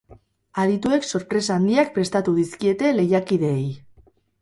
Adituek sorpresa handiak prestatu dizkiete lehiakideei.